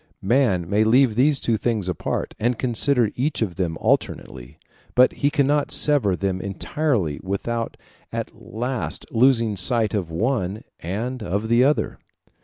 Man may leave these two things apart, and consider each of them alternately; but he cannot sever them entirely without at last losing sight of one and of the other.